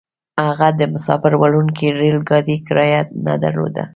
هغه د مساپر وړونکي ريل ګاډي کرايه نه درلوده.